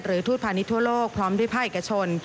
หรือทูตภัณฑ์นิทั่วโลกพร้อมด้วยพ่อเอกชน